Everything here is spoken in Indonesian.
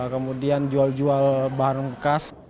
kemudian jual jual barang bekas